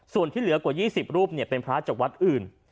ส่วนที่เหลือกว่า๒๐รูปเป็นพระจากวัดอื่น